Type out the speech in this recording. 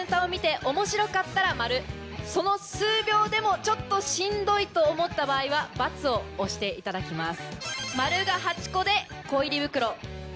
その数秒でもしんどいと思った場合は「×」を押していただきます。